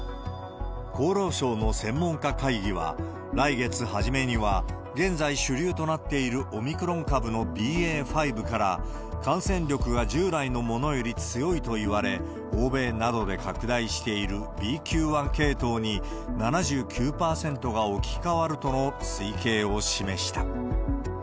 厚労省の専門家会議は、来月初めには、現在主流となっているオミクロン株のＢＡ．５から、感染力が従来のものより強いといわれ、欧米などで拡大しているＢＱ．１系統に、７９％が置き換わるとの推計を示した。